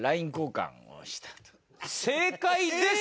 正解です！